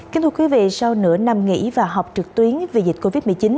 kính thưa quý vị sau nửa năm nghỉ và học trực tuyến vì dịch covid một mươi chín